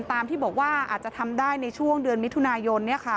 ที่บอกว่าอาจจะทำได้ในช่วงเดือนมิถุนายน